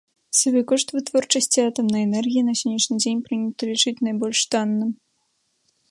Сабекошт вытворчасці атамнай энергіі на сённяшні дзень прынята лічыць найбольш танным.